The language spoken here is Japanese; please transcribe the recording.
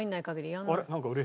あれ？